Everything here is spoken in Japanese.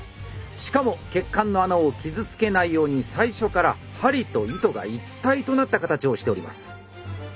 しかも血管の穴を傷つけないように最初から針と糸が一体となった形をしております。